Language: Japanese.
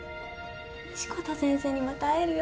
志子田先生にまた会えるよ。